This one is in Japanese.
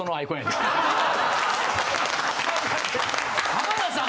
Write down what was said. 浜田さん